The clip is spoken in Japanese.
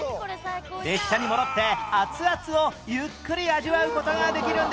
列車に戻って熱々をゆっくり味わう事ができるんです